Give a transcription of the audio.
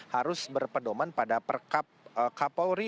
harus berpedoman pada perkap kapolri